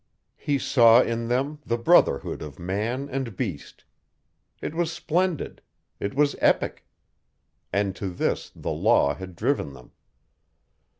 He saw in them the brotherhood of man and beast. It was splendid. It was epic. And to this the Law had driven them!